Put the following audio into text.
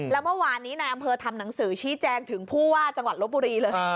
แล้วเมื่อวานนี้นายอำเภอทำหนังสือชี้แจงถึงผู้ว่าจังหวัดลบบุรีเลย